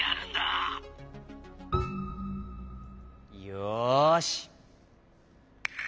よし。